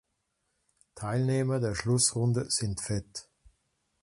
Teilnehmer der Schlussrunde sind fett.